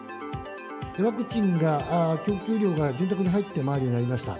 ワクチンが供給量が潤沢に入ってまいるようになりました。